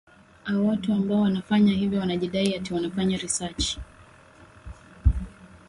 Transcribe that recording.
a watu ambao wanafanya hivyo wanajidai ati wanafanya researchi